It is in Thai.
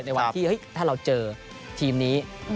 ในวันที่ถ้าเราเจอทีมนี้